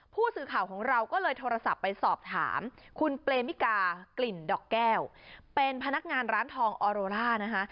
ผู้สื่อข่าวของเราก็เลยโทรศัพท์ไปสอบถามคุณเปรมิกากลิ่นดอกแก้วเป็นพนักงานร้านทองออโรล่านะคะ